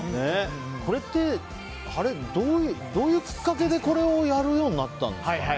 これってどういうきっかけでこれをやるようになったんですか。